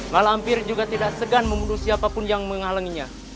malampir juga tidak segan membunuh siapapun yang menghalanginya